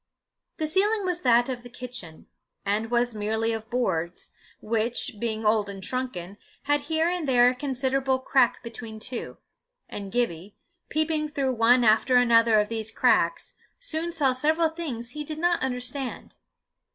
The ceiling was that of the kitchen, and was merely of boards, which, being old and shrunken, had here and there a considerable crack between two, and Gibbie, peeping through one after another of these cracks, soon saw several things he did not understand.